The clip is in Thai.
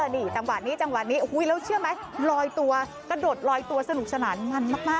นี่จังหวะนี้จังหวะนี้แล้วเชื่อไหมลอยตัวกระโดดลอยตัวสนุกสนานมันมาก